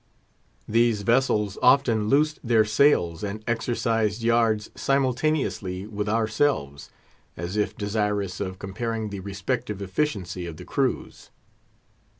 These vessels often loosed their sails and exercised yards simultaneously with ourselves, as if desirous of comparing the respective efficiency of the crews.